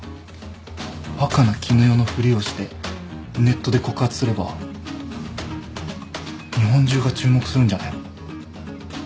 若菜絹代のふりをしてネットで告発すれば日本中が注目するんじゃないの？